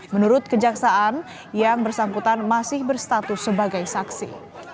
menurut kejaksaan yang bersangkutan masih berstatus sebagai saksi